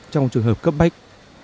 trong trường hợp cấp bách